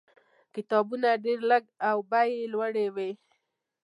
کتابونه ډېر لږ او بیې یې لوړې وې.